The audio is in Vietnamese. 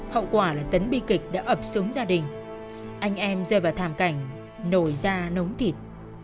hậu quả là tấn bi kịch đã ập xuống gia đình anh em rơi vào thảm cảnh nổi ra nống thịt